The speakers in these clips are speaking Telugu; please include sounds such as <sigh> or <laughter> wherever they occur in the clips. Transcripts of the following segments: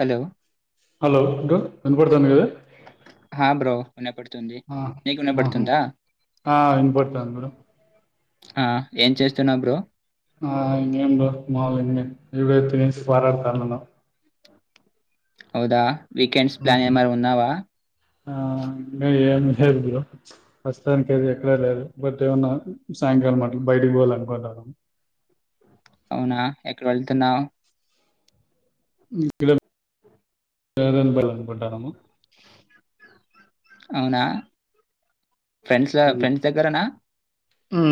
హలో హలో టు వినపడతుంది కద ఆ! బ్రో వినపడుతుంది. ఆ నీకు వినపడుతుందా? ఆ ఇనపడుతాంది బ్రో ఆ ఏం చేస్తున్నావ్ బ్రో వివ స్రఫారెర్ కాలేల్ నో అవునా వీకెండ్స్ ప్లాన్ ఏమైన ఉన్నావా ఆ ఇంకా ఏం లేదు బ్రో ప్రస్తుతానికి అది ఎక్కడ లేదు. బట్ ఏమన్నా సాయంకాలం అట్ల బయటకి పోవాల అనుకుంటాను. అవునా ఎక్కడ వెళతున్నావు ఇక్కడె రెగపల్లి అనుకుంటున్నాము అవునా ఫ్రెండ్స్ లో ఫ్రెండ్స్ దగ్గరనా హు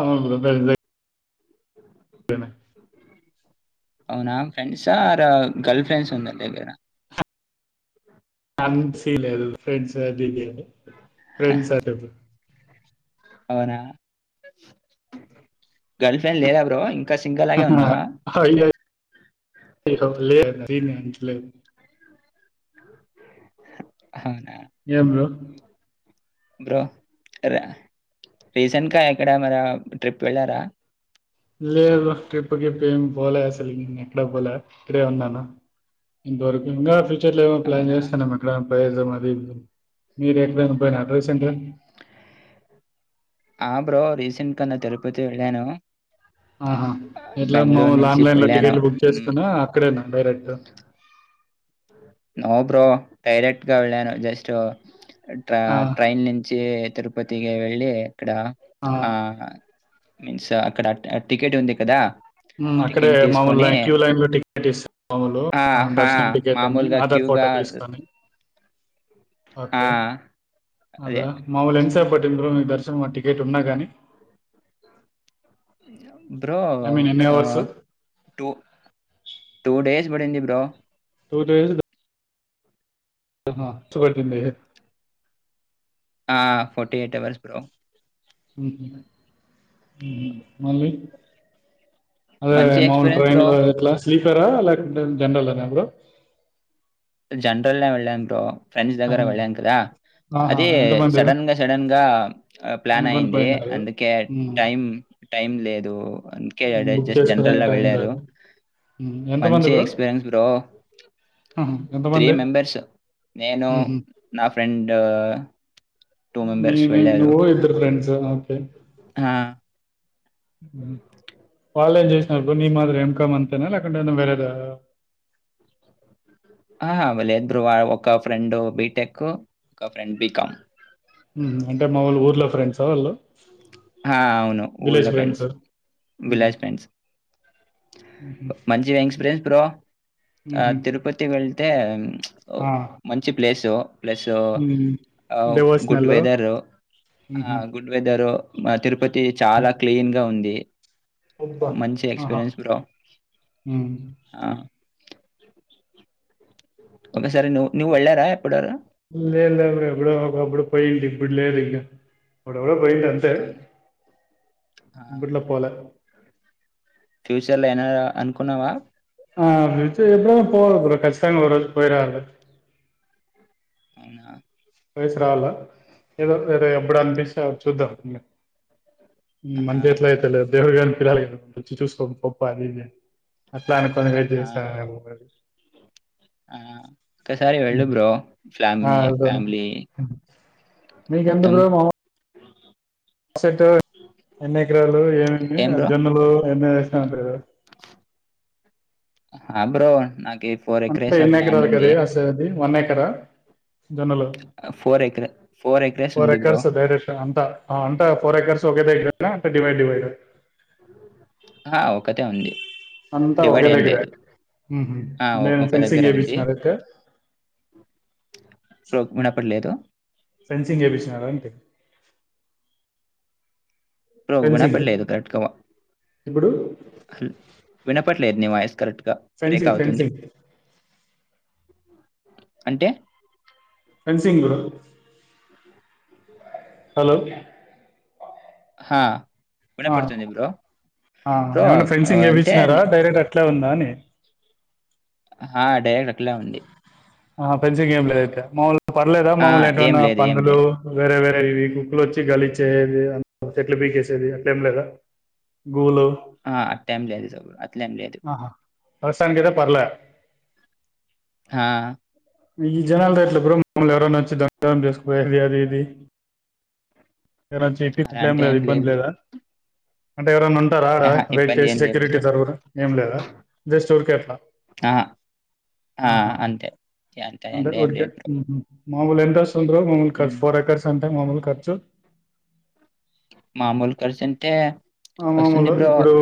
అవును బ్రో ఇట్లనే అవునా ఫ్రెండ్స్ ఆర్ గర్ల్ ఫ్రెండ్స్ ఉందగర అంత సీన్ లేదు ఫ్రెండ్స్ అది ఫ్రెడ్స్ అయి అవునా గర్ల్ ఫ్రెండ్ లేద బ్రో ఇన్ అ బ లే క్లీన్ అంట్లేదు అ బ్రో బ్రో ర రీసెంట్గా ఎక్కడ మీర ట్రిప్ వెళ్ళారా లేదు బ్రో ట్రిప్పు గిప్పు ఏమి పోలే అసలు నేను ఎక్కడ పోలే ఇక్కడే ఉన్నాను ఇంతవరకు ఇంగా ట్రి టికెట్ లేమి ప్లాన్ అవునా! చేస్తున్నామక్కడ బ మాది మీరు ఎక్కడ పోయినా అడ్రైస్ంట ఆ బ్రో రీసెంట్ క నా తిరుపతి వెళ్ళాను ఆహా ఎట్లా బెంగుళూరు మాములు నుంచి ఆన్లైన్ లో వెళ్ళాను. టికెట్లు బుక్ హ్మ్. చేసుకున అక్కడేనా డైరెట్టూ నో బ్రో డైరెక్ట్గా వెళ్లాను జస్ ట్ ట్ర ఆ ట్రైన్ నుంచి తిరుపతికే వెళ్ళి ఇక్కడ ఆ మీన్స్ అక్కడ టికెట్ ఉంది కదా మ్మ్ అక్కడే టికెట్ తీసుకొని మామూలు క్యూ లైన్ లో టికెట్ ఇస్తారు ఆ హా దర్శనం టికెట్ అని మామూలుగా ఆధార్ క్యూగా పోటో తీసుకుని ఆ ఓకే అదే అదా మాముూలు ఎన్సేపట్టింది బ్రో మీక్ దర్శనమా టికెట్ ఉన్నా కాగాని బ్రో ఆ టూ టూడేస్ బడింది ఇ బ్రో తూ తౌసా బా ఆహా తు బట్టింది ఆ ఫోర్టీ ఎయిట్ అవర్స్ బ్రో మళీ అదే మంచి మాౌలు ఎక్స్పీరియన్స్ ట్రైన్ బ్రో లో ఎట్లస్ స్లీపరా లేకుంటే జనరల్ న బ్రో జనరల్ లో వెళ్లాన్ బ్రో ఫ్రెండ్స్ దగ్గర వెళ్ళాను కదా ఆహా అదే ఎంతమంది సడన్ గా సడన్ గా ప్లాన్ అనుకొని అయింది పోయినారు అందుకే మ్మ్. టైమ్ టైం లేదు అందుకే బుక్ జస్ట్ జనరల్ చేసుకోడానికి గా టైం వెళ్ళారు లేదు మ్మ్. ఎంతమంది మంచి బ్రో ఎక్స్పీరియన్స్ బ్రో ఆహా, త్రీ ఎంతమంది మెంబర్స్ నేను మ్మ్. నా ఫ్రెండ్ స మీ వీధిలో కూడా ఇద్దరు ఫ్రెండ్స్ నాకి ఆ! వాళ్ళు ఏం చేసినారు నీ మాదిరి ఇన్కమ్ అంతేనా లేకుంటే ఏమైనా వేరేదా. ఆ వాళ్ళిద్రూ ఒక ఫ్రెండ్ బిటెక్, ఒక ఫ్రెండ్ బీకామ్. అంటే మా ఊర్లో ఫ్రెండ్స వాళ్ళు. హా అవును ఊళ్ళో ఫ్రెండ్స్, బిలాజ్ ఫ్రెండ్స్. మంచి ఎంగ్స్పిరియన్స్ బ్రో ఆ తిరుపతి వెళ్తే ఆ మంచి place. Plus good devotional weather ఆ గుడ్ వెదరు. బా తిరుపత్. టే చాలా క్లీన్ గా ఉంది. అబ్బా మంచి ఆహా ఎక్స్పీరియన్స్ బో హ్మ్ ఆ. ఓనిస్. లే లే లే ఎప్పుడో ఒకప్పుడు పోయింది. ఇప్పుడ్ లేదింక ఎప్పుడో. ఎప్పుడో పోయింది అంతే అవునా! ఆ! ఇప్పట్లో పోలే. ఫ్యూచర్ లైనా అనుకున్నావా. ఆ ఫ్యూచర్ లో పోవాలే ఖచ్చితంగా ఒకరోజు పోయిరావలే. అవునా. వయసు రావాలా ఏదో ఏదో ఎప్పుడ్ అనిపిస్తే అప్పుడు చూద్దాం ఇగ. ఆహా! మంచిగా ఎట్ల అయితే అట్లా. దేవరు గాని <unintelligible> వచ్చి చూసుకోండి గొప్ప అది ఇది అని. అట్లా అనుకొని వెయిట్ ఆహా చేస్తానేమో మరి ఆ ఒక్కసారి వెళ్ళు హ్మ్ బ్రో. ఆ ఫ్యామిలీ బ్రో ఫ్యామిలీ మీకెంత మొత్తం బ్రో మామూల్. సేట్ ఎన్ని ఎకరాలు ఏం <unintelligible> బ్రో? జొన్నలు ఎన్ని వేసిన అంటారు గా. ఆ బ్రో అంటే నాక్. అంటే ఎన్ని ఎకరాలు ఖరీద్ అస్తది అది. వన్ఎకరా జొన్నలు ఎకర ఎకరేస్ ఫోర్ ఉంది బ్రో. ఎకర్స్ డైరెట్ అంటా ఆ అంటే ఫోర్ ఎకర్స్. <unintelligible> అంత డివైడ్ డివైడ్ హా ఓక్ ఒక్కతే ఉంది అంతా డివైడ్ ఒకే ఏం దగ్గర లేదు మ్మ్. ఆ నేను ఒక ఫెన్సింగ్ దగ్గర ఉంది చేయించినారు అయితే ఉన్నప్పుడు లేదు. సెన్సింగ్ చేపించినారా దాన్కి. బ్రో ఫెన్సింగ్ వినపడలేదు కరెక్ట్ వా ఇప్పుడు హల్ వినపట్లేదు నీ వాయిస్. కరెక్ట్. Finishing finishing. అంటే రాంసింగ్ లో హలో హా ఆ ఆ బ్రో ఏమనా ఫెన్సింగ్ అంటే ఏపించినార డైరెక్ట్ అట్ అట్లా ఉందా అని ఆ డైరెక్ట్ అట్లే ఉంది హ పెన్సింగ్ ఏం లేదు బ్రో మాములుగ్ పర్లేదా ఆ! మమ్మల్ని ఏం ఏంటన్నా లేదు. ఏం పందులు లేదు. వేరే వేరే య ఇవి కుక్లు వచ్చి గలిచ్చేది <unintelligible> చెట్లు పీకేసేది అట్లేం లేదా గూలు ఆ అట్టేం లేదు బ్రో అట్లెం లేదు వస్ ఇట్లాంటిదే పర్లే ఆ ఈ జనాలు తో ఎట్ల బ్రో మమ్మల్ని ఎవరన్న వచ్చి <unintelligible> తనం చేసుకుపోయేది అది ఇది మెరంచెట్టి <unintelligible> అలా అట్లే ఏం అంటే లేదు ఇబ్బంది బ్రో. లేదా అంటే ఎవరన్న ఉన్ త రారా అహా! వెయిట్ ఇబ్బంది చేసి ఏం లేదు సెక్యూరిటీ బ్రో. జరురు ఏం లేదా జస్ట్ ఉరి కేేట్లా అహా! ఆ! ఆహా అంతే. అంతే అంటే అండి. ఏం ఉరికే లేదు బ్రో. మామూల్ ఎంతోస్ ఎం బ్రో <unintelligible> హ్మ్. ఫోర్ ఎక్కర్స్ మామూలు ఖర్చు మామూలు ఖర్చు అంటే ఆ మామూలు ఇప్పుడు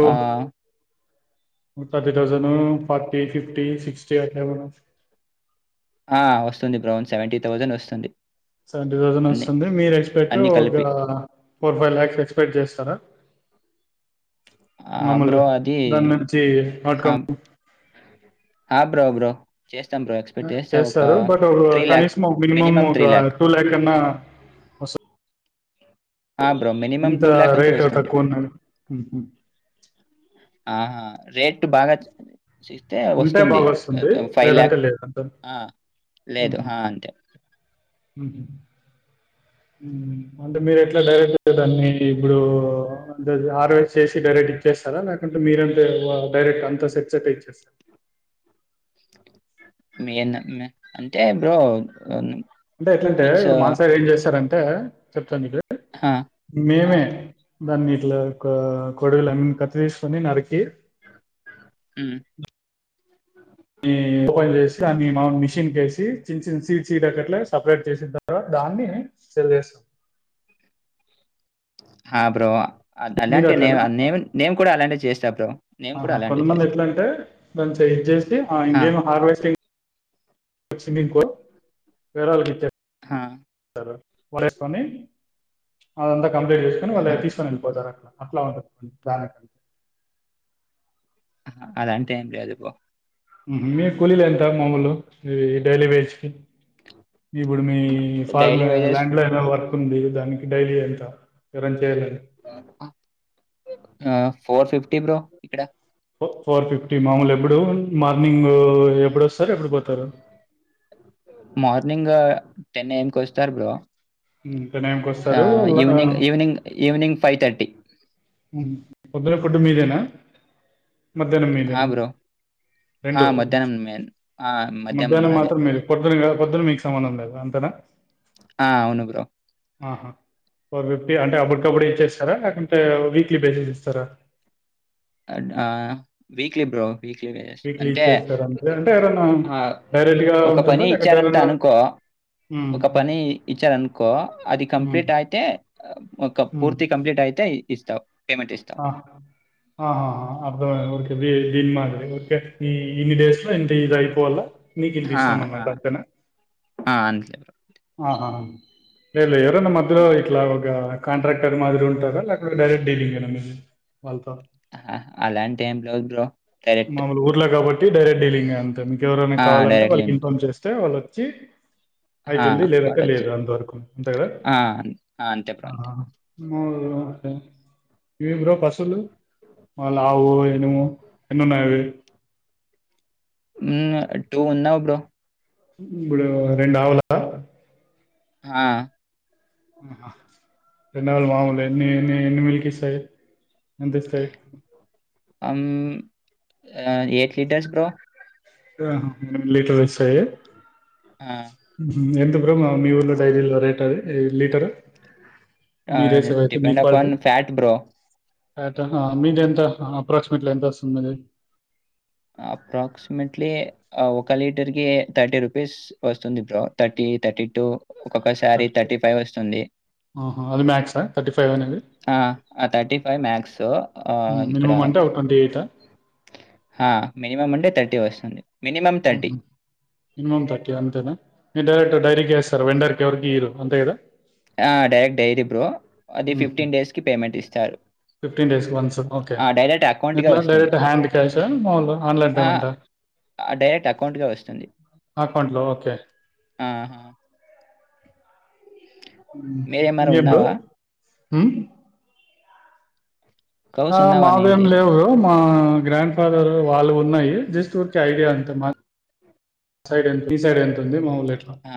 thirty thousand forty fifty sixty అట్లేమన్న వస్ ఆ వస్తుంది బ్రౌన్ సెవెంటీ థౌజండ్ వస్తుంది సెవెంటీ థౌజండ్ అన్నీ, వస్తుంది మీరు ఎక్స్పెక్ట్ అన్నీ ఒక కలిపి. ఫోర్ ఫైవ్ లాక్స్ ఎక్స్పెక్ట్ చేస్తారా ఆ! మాములు బ్రో అది దానించి ఆ! అకౌంట్ ఆ! బ్రో బ్రో చేస్తాం బ్రో. ఎక్స్‌పెక్ట్ చేస్తా ఒక చేస్తారు బట్ ఒక కనీసం ఒక మినిమం మినిమమ్ ఒక టూ ల్యాక్ అన్న వస ఆ బ్రో మినిమం టూ ల్యాక్ అంతా రేట్ వస్తుంది తక్కువ ఉన్నది ఆహా రెట్ టు బాగా <unintelligible> చేస్తే ఉంటే వస్తుంది బాగా ఆ వస్తుంది హు ఫైవ్ లేదంటే ల్యాక్ లేదు అంతే ఆ లేదు హ అంతే హ్మ్ అంటే మీరు ఎట్లా డైరెక్ట్ దాన్ని ఇప్పుడు అ ఆర్వే చేసి డైరెక్ట్ ఇచ్చేస్తారా లేకుంటే మీరంత <unintelligible> డైరెక్ట్ అంత సెట్సెట్ ఇచ్చేస్తారు మీ అన్న ఇంగ అంటే బ్రో అంటే ఎట్లంటే మీన్స్ ఇప్పుడు మా సైడ్ ఏం చేస్తరంటే చెప్తన్ మీకు ఆ! ఆ! మేమే దాన్ని ఇట్లా కో కొడలన్ని కత్తి తీసుకొని నరికి హుమ్ హుమ్ ఓపెన్ చేసి దాన్ని మా మిషన్ కేసి చిన్న చిన్న సీడ్ సీడ్ కట్ల సపరేట్ చేసిన తర్వాత దాన్ని సేల్ హా బ్రో ఆ మీరు గన్నంటే అట్లేనా నేన్ నేన్ కూడా అలాగే చేస్త బ్రో నేను కూడా ఆహా అలాంటివి కొంతమంది చేస్తా. ఎట్లాంటే దాన్ని చేంజ్ చేసి ఆ ఇంకేం హార్వెస్టింగ్ స్విమ్మింగ్ కు ఎవరెవరు ఆ! ఎల్తారు వలేస్కొని ఆ ఉండు కంప్లీట్ చేసుకుని వాళ్ళు ఆ! తీస్కొని వెళ్లిపోతారు అట్లా అట్లా ఉంటది ప్లాన్ వచ్చి అదంతే అండి అది గుడా మీ కూలీలు ఎంత మాముూలు డైలీ వైజ్ కి ఇప్పుడు మీ ఫార్మ్ డైలీ వేజెస్ ల్యాండ్ లో అయినా వర్క్ ఉంది దానికి డైలీ ఎంత ఎవరైనా చేయాలని ఆ ఫోర్ ఫిఫటీ టిబ్రో ఇక్కడ ఫోర్ ఫిఫ్టీ మాముూలు ఎప్పుడు మార్నింగ్ ఎప్పుడు వస్తారు ఎప్పుడు పోతారు మార్నింగ్ టెన్ ఎ ఎమ్ కి వస్తారు బ్రో టైంకి ఆ వస్తారు evening evening evening five thirty పొద్దున ఫుడ్డు మీదేనా మధ్యాహ్నం ఆ! మీలినా బ్రో. ఆ! రెండు మధ్యాహ్నం మేన్ ఆ! మద్యం మధ్యాహ్నం మనదే. మాత్రం మీలిద్దు పొద్దు మీకు సంబంధం లేదా అ కద ఆ అవును బ్రో ఆహా ఫోర్ ఫిఫ్టీ అంటే అప్పటికప్పుడు ఇచ్చేస్తారా లేకంటే వీక్లీ బేసిస్ ఇస్తారా weekly bro weekly wages weekly అంటే ఇచ్చేస్తారా అంతే అంటే ఎవరన్నా డైరెక్ట్గా ఒక ఉంటుందా పని లేకుంటే ఇచ్చారంత అనుకో ఒక పని ఇచ్చారనుకో అది కంప్లీట్ ఎవరన్నా అయితే ఒక పూర్తి కంప్లీట్ అయితే ఇస్తావు పేమెంట్ ఇస్తాం ఆ అబ్క ద మాదిక ఇన్ని డేస్ లో ఇంత ఇది అయిపోవాలా హా అలే బ ఆ లే లే ఎవరో నామ్ మాధ ఇట్లా ఒక కాంట్రాక్టర్ మాది ఉంటారా లే అక్కడ డైరెట్ డీలింగేనా అ వాళ్ళతో అహా! అలాంటేం లేదు బ్రో. డైరెక్ట్. మాములు ఊర్లో కాబట్టి డైరెక్ట్ డీలింగ్ అంతే మీక ఎవరైనా ఆ! కావాలంటే డైరెక్ట్ వాళ్ళకి లింక్. ఇన్ఫార్మ్ చేస్తే వాళ్ళు చి ఆ! అయితుంది లేదంటే వాడొచ్చి లేదు అంతవరకు అంతే కదా ఆ! ఆ! అంతే బ్రో అంతే. మాలోటె ఇవి బ్రో పశులు మాల ఆవు ఎనుము ఎన్ని ఉన్నాయివి టూ ఉన్నావ్ బ్రో ఇప్పుడు రెండు ఆవలా హా ఆహా రెండావులు మాముూలు ఎన్ని ఎన్ని ఎన్ని మిలికిస్తాయి ఎంతస్తే అమ్ ఎట్ లీటర్స్ ప్రో ఆ లీటర్ వ ఆ! <unintelligible> ఎంత ఇప్పు మీ ఊర్లో డైరీలు వరేటది లీటర్ డిపెండ్ అప్ అన్ ఫ్యాట్ బ్రో అ మీది ఎంత అప్రాక్సమేట్లీ ఎంత వస్తుంది మీది అప్రాక్సిమేట్లీ ఒక లీటర్ కి థర్టీ రూపీస్ వస్తుంది బ్రో థర్టీ థర్టీ టూ ఒక్కొక్కసారి థర్టీ ఫైవ్ వస్తుంది ఆహా అది మ్యాక్సా థర్టీ ఫైవ్ అనేది ఆ ఆ థర్టీ ఫైవ్ మ్యాక్స్ అ ఇక్కడ మినిమం అంటే ఒక ట్వంటీ ఎయిటా మినిమం అంటే థర్టీ వస్తుంది minimum మమమ్ thirty one direct dairy వస్తారు వెండర్కి ఎవరికి ఈరు అంతే కదా ఆ డైరెక్ట్ డైరి బ్రో అది డేస్‌కి పేమెంట్ ఇస్తారు. ఫిఫ్టీన్ డేస్ వన్స్ ఓకే ఆ! డైరెక్ట్ అకౌంట్‌గా ఎట్లా వస్తుంది. డైరెక్ట్ హ్యాండ్ క్యాష మాలు ఆన్లైన్ ఆ! పేమెంట్ డైరెక్ట్ అకౌంట్‌గా వస్తుంది. అకౌంట్లో ఓకే ఆహా! మీరేమన్నా ఇంగేమ్ బ్రో ఉన్నావా? హ కౌస్ ఆ ఉన్నావా మావేం నీది? లేవు మా గ్రాండ్ ఫాదర్ వాళ్ళవి ఉన్నాయి, జస్ట్ ఊరికే ఐడియా అంతే మా సైడ్ ఎంత, మీ సైడ్ ఎంత ఉంది మాములు ఆ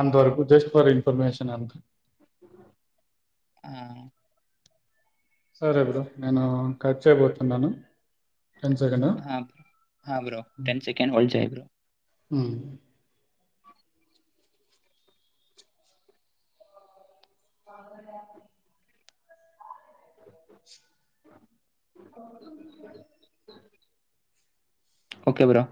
అంతవరకు జస్ట్ ఫర్ ఇన్ఫర్మేషన్ అంత ఆ సరే బ్రో నేను కట్ చేయబోతున్నాను టెన్ సెకండ్ బ్ర బ్రో టెన్ సెకం ఒజాయి బ్ర అ అ ఓ ఓకే బ్రో